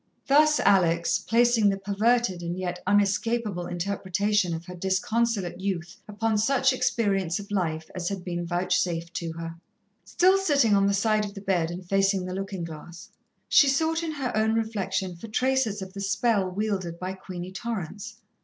Thus Alex, placing the perverted and yet unescapable interpretation of her disconsolate youth upon such experience of life as had been vouchsafed to her. Still sitting on the side of the bed and facing the looking glass, she sought in her own reflection for traces of the spell wielded by Queenie Torrance.